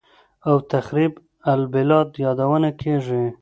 او «تخریب البلاد» یادونه کېږي